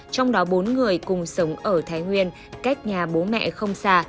trong đó bốn người cùng sống ở thái nguyên cách nhà bố mẹ không già